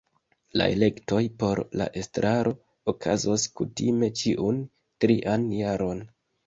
La elektoj por la estraro okazos kutime ĉiun trian jaron.